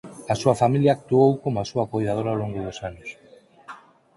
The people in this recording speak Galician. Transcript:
A súa familia actuou como a súa coidadora ó longo dos anos.